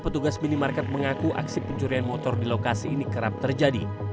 petugas minimarket mengaku aksi pencurian motor di lokasi ini kerap terjadi